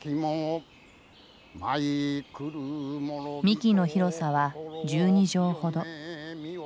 幹の広さは１２畳ほど。